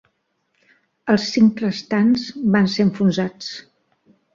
Els cinc restants van ser enfonsats.